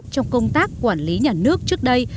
trong công tác quản lý nhà nước trước đây